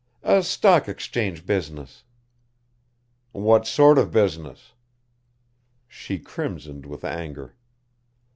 "A stock exchange business." "What sort of business?" She crimsoned with anger.